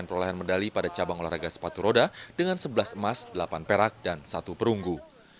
dan perolehan medali pada cabang olahraga sepatu roda dengan sebelas emas delapan perak dan satu perunggu